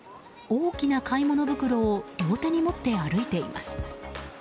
大きな買い物袋を両手に持って歩いています。